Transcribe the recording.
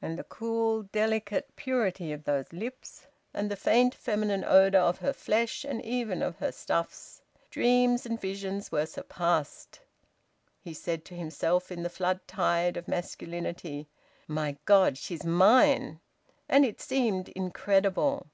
And the cool, delicate purity of those lips! And the faint feminine odour of her flesh and even of her stuffs! Dreams and visions were surpassed. He said to himself, in the flood tide of masculinity "My God! She's mine." And it seemed incredible.